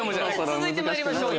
続いてまいりましょう。